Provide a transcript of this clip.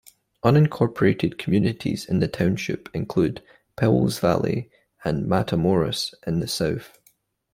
Unincorporated communities in the township include Powells Valley and Matamoras in the south.